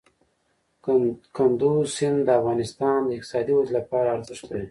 کندز سیند د افغانستان د اقتصادي ودې لپاره ارزښت لري.